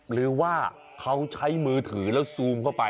หรือว่าเขาใช้มือถือแล้วซูมเข้าไป